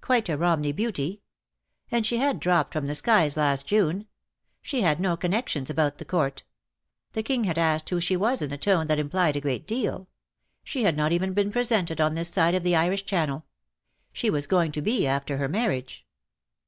Quite a Romney beauty! And she had dropped from the skies last June. She had no connexions about the Court. The King had asked who she was in a tone that implied a great deal. She had not even been presented on this side of the Irish Channel. She was going to be after her marriage.